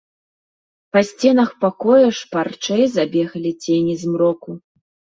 Па сценах пакоя шпарчэй забегалі цені змроку.